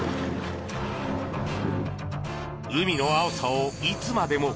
海の青さをいつまでも。